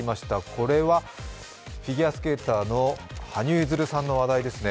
これはフィギュアスケーターの羽生結弦さんの話題ですね。